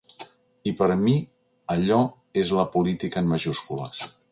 I per mi allò és la política en majúscules.